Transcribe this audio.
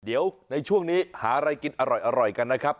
เดี๋ยวในช่วงนี้หาอะไรกินอร่อยกันนะครับ